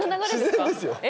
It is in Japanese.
自然ですよ。え？